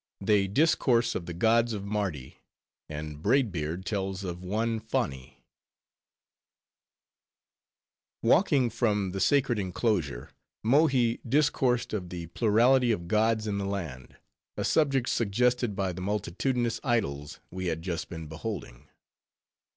They Discourse Of The Gods Of Mardi, And Braid Beard Tells Of One Foni Walking from the sacred inclosure, Mohi discoursed of the plurality of gods in the land, a subject suggested by the multitudinous idols we had just been beholding.